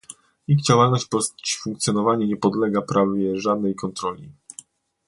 Ich działalność bądź funkcjonowanie nie podlega prawie żadnej kontroli